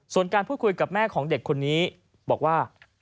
ส่วนการพูดคุยกับแม่ของเด็กคนนี้บอกว่า